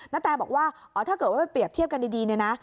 แตบอกว่าอ๋อถ้าเกิดว่าไปเปรียบเทียบกันดีเนี่ยนะ